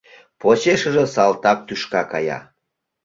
Почешыже салтак тӱшка кая.